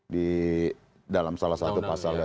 di dalam salah satu pasal